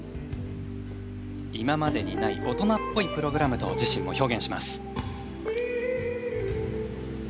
今までにない大人っぽいプログラムと自身も表現します。